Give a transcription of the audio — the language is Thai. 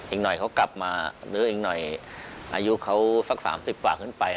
อีกหน่อยเขากลับมาหรืออีกหน่อยอายุเขาสัก๓๐กว่าขึ้นไป